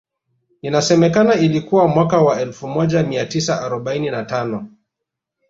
Inasemekana ilikuwa mwaka wa elfu moja mia tisa arobaini na tano